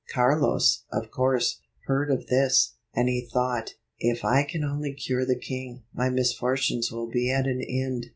Carlos, of course, heard of this, and he thought, "If I can only cure the king, my misfortunes will be at an end."